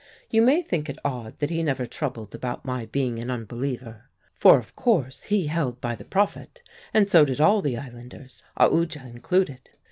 You may think it odd that he never troubled about my being an unbeliever for of course he held by the Prophet, and so did all the islanders, Aoodya included.